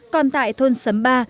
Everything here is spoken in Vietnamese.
còn tại thôn sấm ba